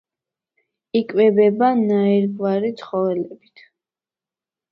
იკვებება ნაირგვარი ცხოველებით.